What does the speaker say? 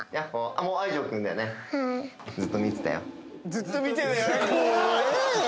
「ずっと見てたよ」